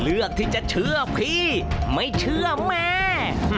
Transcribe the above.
เลือกที่จะเชื่อพี่ไม่เชื่อแม่